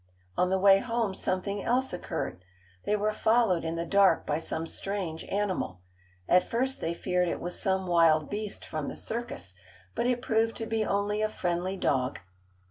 On the way home something else occurred. They were followed in the dark by some strange animal. At first they feared it was some wild beast from the circus but it proved to be only a friendly dog.